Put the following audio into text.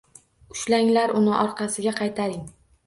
— Ushlanglar uni! Orqasiga qaytaring.